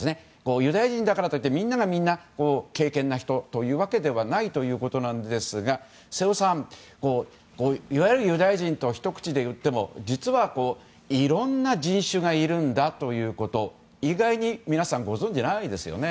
ユダヤ人だからといってみんながみんな敬虔な人というわけではないんですが瀬尾さん、いわゆるユダヤ人とひと口にいっても実はいろんな人種がいるんだということ意外に皆さんご存じないですよね。